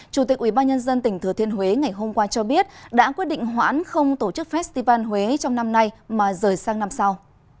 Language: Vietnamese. chủ tịch ubnd tỉnh thừa thiên huế ngày hôm qua cho biết đã quyết định hoãn không tổ chức festival huế trong năm nay mà rời sang năm sau